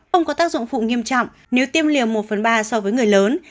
ông có tác dụng phụ nghiêm trọng nếu tiêm liều một phần ba so với người lớn